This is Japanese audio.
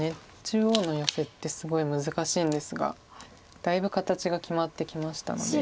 中央のヨセってすごい難しいんですがだいぶ形が決まってきましたので。